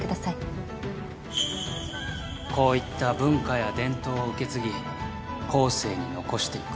こういった文化や伝統を受け継ぎ後世に残していく。